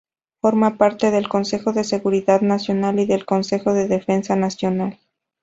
Forma parte del Consejo de Seguridad Nacional y del Consejo de Defensa Nacional.